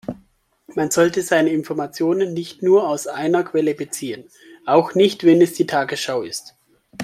Man sollte seine Informationen nicht nur aus einer Quelle beziehen, auch nicht wenn es die Tagesschau ist.